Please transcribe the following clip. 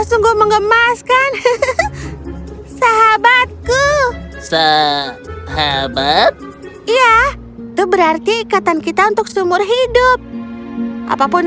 sungguh mengemaskan hehehe sahabatku sahabat iya itu berarti ikatan kita untuk sumur hidup apapun